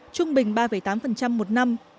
trung bình ba tám một năm